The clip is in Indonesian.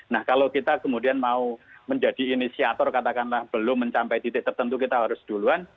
nah kalau kita kemudian mau menjadi inisiator katakanlah belum mencapai titik tertentu kita harus duluan